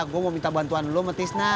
gue mau minta bantuan lo sama tisna